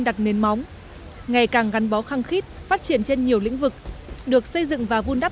đặt nền móng ngày càng gắn bó khăng khít phát triển trên nhiều lĩnh vực được xây dựng và vun đắp